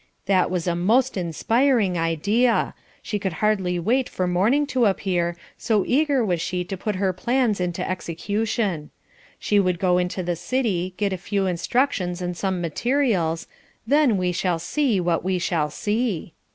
That was a most inspiring idea; she could scarcely wait for morning to appear, so eager was she to put her plans into execution. She would go into the city, get a few instructions and some materials, "then we shall see what we shall see."